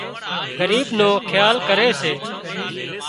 ڳريب نو کيال ڪري سي